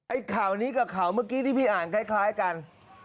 ข่าวนี้กับข่าวเมื่อกี้ที่พี่อ่านคล้ายกัน